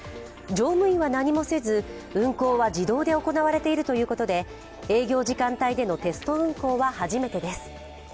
乗務員は何もせず、運行は自動で行われているということで営業時間帯でのテスト運行は初めてです。